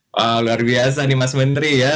wah luar biasa nih mas menteri ya